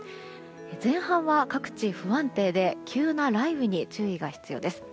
前半は各地、不安定で急な雷雨に注意が必要です。